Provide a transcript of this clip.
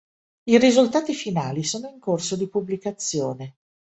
I risultati finali sono in corso di pubblicazione.